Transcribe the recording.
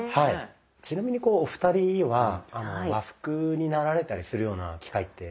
ちなみにお二人は和服になられたりするような機会ってあったりします？